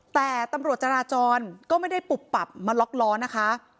แต่ตำรวจจราจรก็ไม่ได้ปุบปับมาล็อกล้อนะคะ